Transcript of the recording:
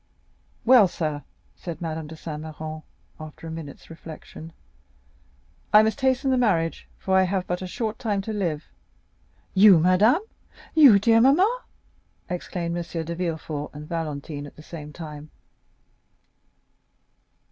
"Well, sir," said Madame de Saint Méran, after a few minutes' reflection, "I must hasten the marriage, for I have but a short time to live." "You, madame?" "You, dear mamma?" exclaimed M. de Villefort and Valentine at the same time.